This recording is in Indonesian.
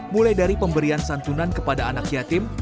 mulai dari pemberian santunan kepada anak yatim